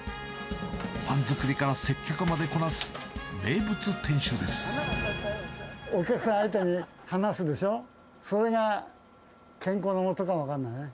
パン作りから接客までこなす、お客さん相手に話すでしょ、それが健康のもとかも分かんないね。